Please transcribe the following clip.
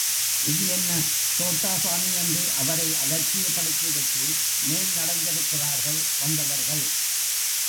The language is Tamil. இது என்ன சோட்டா சாமி என்று அவரை அலட்சியப்படுத்திவிட்டு மேல் நடந்திருக்கிறார்கள் வந்தவர்கள்.